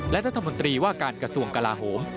และรัฐมนตรีว่าการกระทรวงกลาโหม